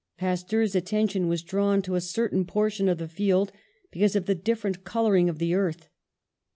Pas teur's attention was drawn to a certain portion of the field, because of the different colouring of the earth.